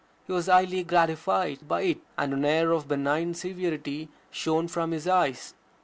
He was highly gratified by it, and an air of benign severity shone from his eyes.